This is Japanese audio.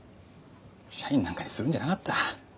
社員なんかにするんじゃなかった。